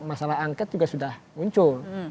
masalah angket juga sudah muncul